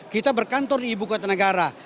kita berkantor di ibu kota negara